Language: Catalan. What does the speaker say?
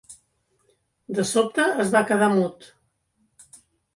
De sobte es va quedar mut.